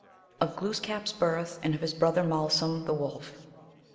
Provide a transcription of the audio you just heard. Of Glooskap s Birth, and of his Brother Malsum the Wolf.